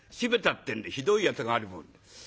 ってんでひどいやつがあるもんで。